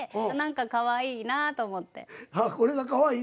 これがかわいいなぁと思って。